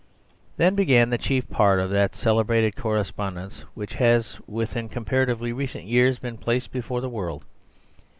Then began the chief part of that celebrated correspondence which has within comparatively recent years been placed before the world.